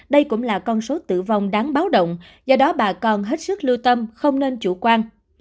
đây cũng là con số tử vong đáng báo động do đó bà con hết sức lưu tâm không nên chủ quan